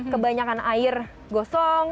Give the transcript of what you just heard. kebanyakan air gosong